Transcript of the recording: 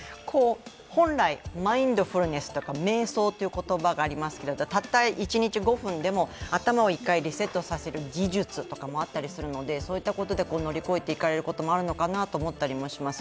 本来、マインドフルネスとか瞑想という言葉がありますけどたった一日５分でも頭を１回リセットする技術とかもありますのでそういったことで乗り越えていかれることもあるのかなと思ったりします。